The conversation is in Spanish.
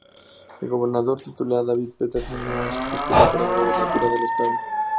El gobernador titular David Paterson no se postuló para la gobernatura del estado.